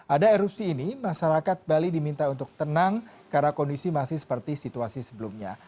ada erupsi ini masyarakat bali diminta untuk tenang karena kondisi masih seperti situasi sebelumnya